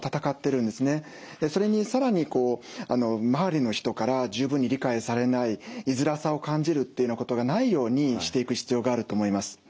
それに更にこう周りの人から十分に理解されない居づらさを感じるっていうようなことがないようにしていく必要があると思います。